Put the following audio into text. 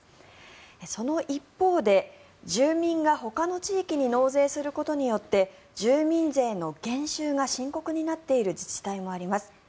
その一方で住民がほかの地域に納税することによって住民税の減収が深刻になっている自治体もあります。